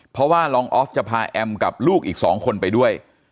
เพราะว่ารองออฟจะพาแอมกับลูกอีก๒คนไปด้วย